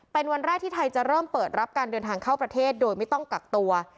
เป็นวันแรกที่ไทยจะเริ่มเปิดรับการเดินทางเข้าประเทศโดยไม่ต้องกักตัว